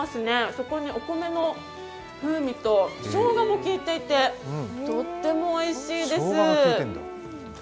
そこにお米の風味としょうがもきいていてとってもおいしいです。